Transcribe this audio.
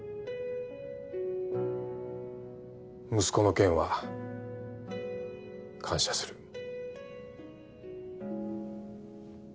息子の件は感謝する。